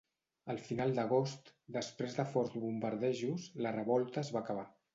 Al final d'agost, després de forts bombardejos, la revolta es va acabar.